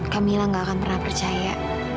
kak mila nggak akan pernah percaya